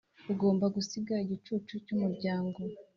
ugomba gusiga igicucu cyumuryango